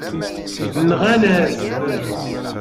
Nɣan-as-t.